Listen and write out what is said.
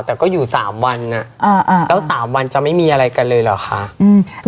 แต่ก็อยู่สามวันอ่ะอ่าแล้วสามวันจะไม่มีอะไรกันเลยเหรอคะอืม